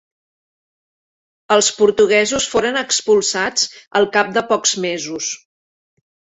Els portuguesos foren expulsats al cap de pocs mesos.